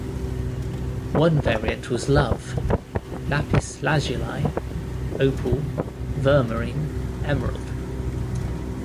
One variant was "love": lapis lazuli, opal, vermarine, Emerald.